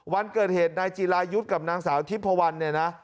วันเกิดเหตุนายจีรายุทธ์กับนางสาวทิพพวันเนี่ยนะ